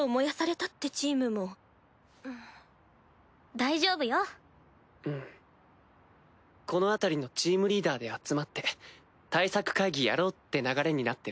大丈夫よ。フムこの辺りのチームリーダーで集まって対策会議やろうって流れになってるね。